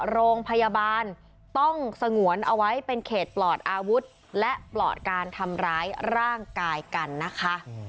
โรงพยาบาลต้องสงวนเอาไว้เป็นเขตปลอดอาวุธและปลอดการทำร้ายร่างกายกันนะคะ